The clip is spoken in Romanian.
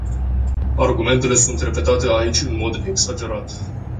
Argumentele sunt repetate aici în mod exagerat.